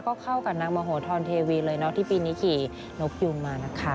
ก็เข้ากับนางมโหธรเทวีเลยเนาะที่ปีนี้ขี่นกยูงมานะคะ